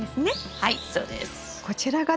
はい。